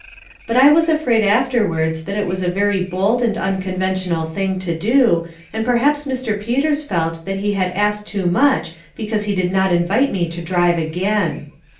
But I was afraid afterwards that it was a very bold and unconventional thing to do, and perhaps Mr. Peters felt that he had asked too much because he did not invite me to drive again.